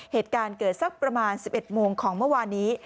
เหตุการณ์เกิดสักประมาณ๑๑โมงของเมื่อวานนี้